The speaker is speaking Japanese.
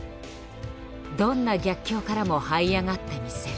「どんな逆境からもはい上がってみせる」。